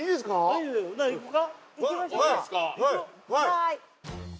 はい。